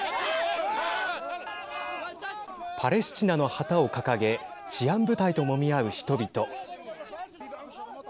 パレスチナの旗を掲げ治安部隊ともみ合う人々。